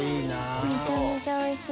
めちゃめちゃおいしい。